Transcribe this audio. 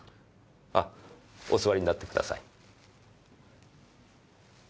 あお座りになってください。